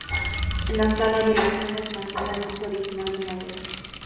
La sala de sesiones mantiene el piso original de madera.